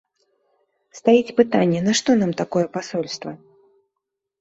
Стаіць пытанне, нашто нам такое пасольства?